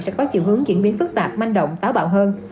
sẽ có chiều hướng diễn biến phức tạp manh động táo bạo hơn